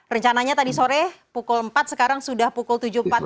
rencananya tadi sore pukul empat sekarang sudah pukul tujuh empat puluh